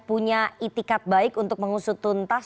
punya itikat baik untuk mengusut tuntas